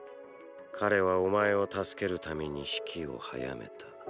彼はお前を助けるために死期を早めた。